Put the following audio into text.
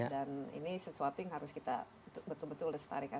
dan ini sesuatu yang harus kita betul betul lestarikan